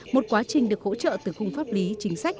một quá trình được hỗ trợ từ khung pháp lý chính sách